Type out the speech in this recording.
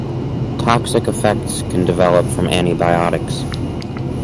Toxic effects can develop from antibiotics.